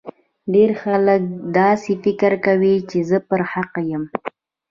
ډیر خلګ داسي فکر کوي چي زه پر حق یم